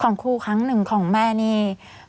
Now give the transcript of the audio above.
ของครูครั้งหนึ่งของแม่นี่